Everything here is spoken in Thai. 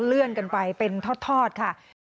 เลื่อนกันไปเป็นทอดค่ะ